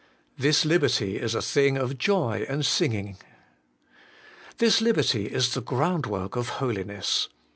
6. This liberty is a thing of Joy and singing. 7. This liberty is the groundwork of holiness.